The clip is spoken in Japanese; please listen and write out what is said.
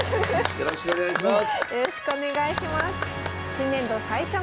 よろしくお願いします。